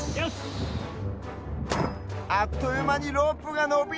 あっというまにロープがのびる！